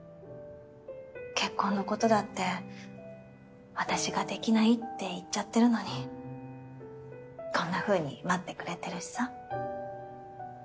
結婚のことだって私ができないって言っちゃってるのにこんなふうに待ってくれてるしさ。